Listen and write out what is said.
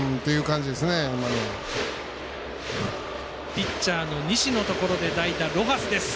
ピッチャーの西のところで代打、ロハスです。